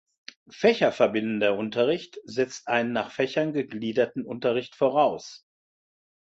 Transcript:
Fächer"verbindender" Unterricht setzt einen nach Fächern gegliederten Unterricht voraus.